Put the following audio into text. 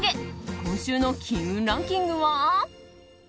今週の金運ランキングは？